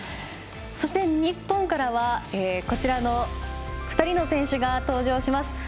そして、日本からはこちらの２人の選手が登場します。